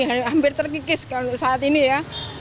hampir terkikis kalau saat ini ya